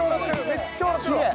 めっちゃ笑ってるわ。